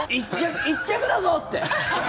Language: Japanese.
１着だぞって。